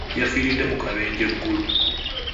Yafiiridde mu kabenje eggulo.